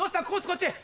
こっち。